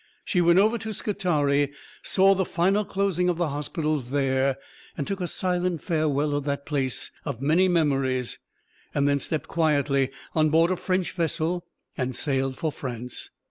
She went over to Scutari, saw the final closing of the hospitals there, and took a silent farewell of that place of many memories; then stepped quietly on board a French vessel, and sailed for France.